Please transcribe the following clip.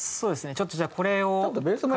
ちょっとじゃあこれを。